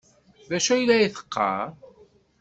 D acu ay la teqqar?